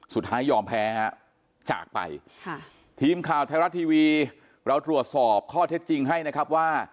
สุดท้ายยอมแพ้ฮะจากไปทีมข่าวไทยรัฐทีวีเราตรวจสอบข้อเท็จจริงให้นะครับว่า